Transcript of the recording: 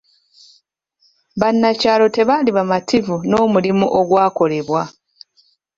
Bannakyalo tebaali bamativu n'omulimu ogwakolebwa.